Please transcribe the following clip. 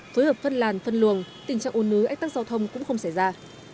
phối hợp phân làn phân luồng tình trạng ôn nứ ách tăng giao thông cũng không xảy ra